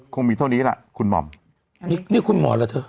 คงมีเท่านี้แหละคุณหม่อนี่คุณหม่อหรอเถอะ